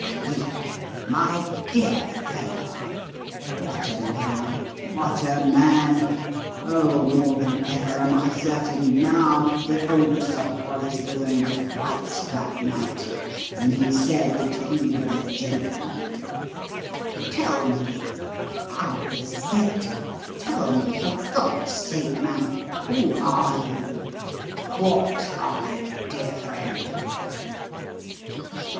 "Cleek! My dear fellow! What a man! What a man! Oh, more than ever am I certain now that old Sir Horace Wyvern was right that night when he said that you were a gentleman. Tell me I'll respect it tell me, for God's sake, man, who are you? What are you, dear friend?"